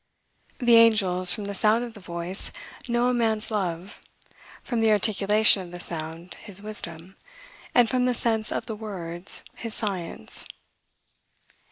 The angels, from the sound of the voice, know a man's love; from the articulation of the sound, his wisdom; and from the sense of the words, his science.